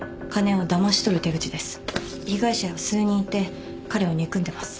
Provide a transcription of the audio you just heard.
被害者は数人いて彼を憎んでます。